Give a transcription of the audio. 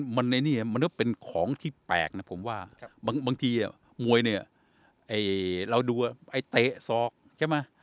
มันเนี่ยมันก็เป็นของที่แปลกเนาะผมว่าบางอย่างบางทีเนี่ยมวยเนี่ยเราดูไอ้เต๊สอกใช่มั้ย